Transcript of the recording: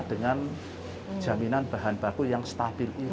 dengan jaminan bahan baku yang stabil ini